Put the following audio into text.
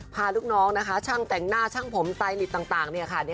พาลูกน้องนะคะช่างแต่งหน้าช่างผมสไตลิตต่างเนี่ยค่ะ